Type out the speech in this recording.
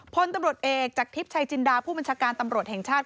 พลตำรวจเอกจากทิพย์ชัยจินดาผู้บัญชาการตำรวจแห่งชาติ